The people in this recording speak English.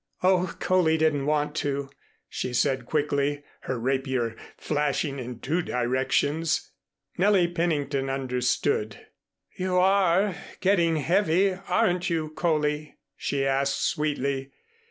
"Oh, Coley didn't want to," she said quickly, her rapier flashing in two directions. Nellie Pennington understood. "You are getting heavy, aren't you, Coley?" she asked sweetly.